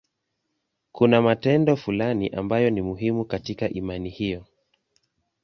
Kuna matendo fulani ambayo ni muhimu katika imani hiyo.